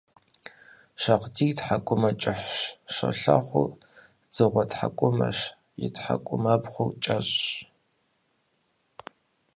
Шагъдийр тхьэкӀумэ кӀыхьщ, щолэхъур дзыгъуэ тхьэкӀумэщ – и тхьэкӀумэбгъур кӀэщӀщ.